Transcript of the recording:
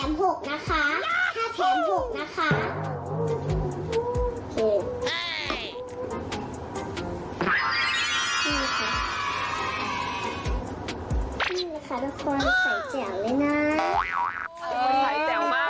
นี่แหละค่ะทุกคนใส่แจ๋วเลยนะ